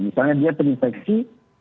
misalnya dia terinfeksi